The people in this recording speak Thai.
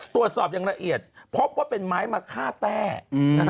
ตรวจสอบอย่างละเอียดพบว่าเป็นไม้มะค่าแต้